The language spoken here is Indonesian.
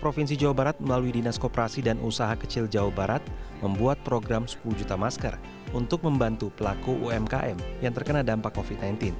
provinsi jawa barat melalui dinas koperasi dan usaha kecil jawa barat membuat program sepuluh juta masker untuk membantu pelaku umkm yang terkena dampak covid sembilan belas